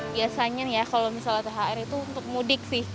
biasanya ya kalau misalnya thr itu untuk mudik sih